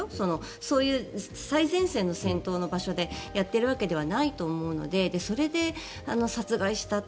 そういう最前線の戦闘の場所でやっているわけではないと思うのでそれで殺害したって。